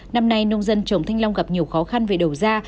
năm nay nông dân trồng thanh long gặp nhiều khó khăn về đầu ra